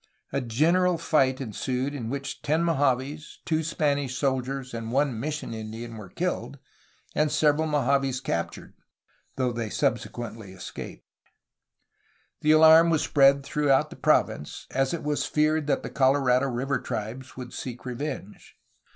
A general fight ensued in which ten Mojaves, two Spanish soldiers, and one mission Indian were killed, and several Mojaves captured, though they sub 432 A HISTORY OF CALIFORNIA sequently escaped. The alarm was spread throughout the province, as it was feared that the Colorado River tribes would seek revenge.